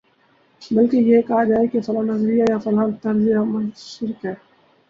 بلکہ یہ کہا جائے گا فلاں نظریہ یا فلاں طرزِ عمل شرک ہے